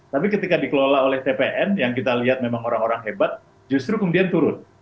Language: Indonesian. tapi ketika dikelola oleh tpn yang kita lihat memang orang orang hebat justru kemudian turun